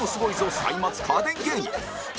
歳末家電芸人